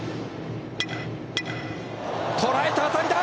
捉えた当たりだ。